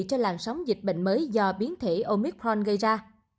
cho làn sóng dịch bệnh mới do biến thể omicron gây ra